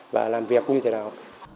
và làm việc như thế nào